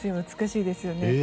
美しいですよね。